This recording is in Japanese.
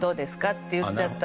って言っちゃったんで。